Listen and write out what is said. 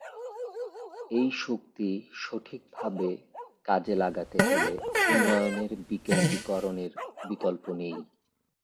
এই শক্তি সঠিকভাবে কাজে লাগাতে হলে উন্নয়নের বিকেন্দ্রীকরণের বিকল্প নেই।